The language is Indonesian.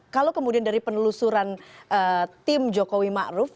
kalau kemudian dari penelusuran tim jokowi ma'ruf